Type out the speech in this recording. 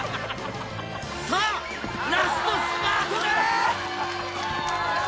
さぁラストスパートだ！